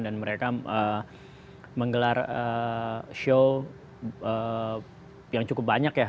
dan mereka menggelar show yang cukup banyak ya